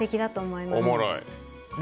おもろい。